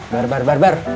bar bar bar